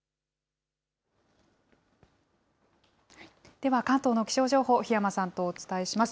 では関東の気象情報、檜山さんとお伝えします。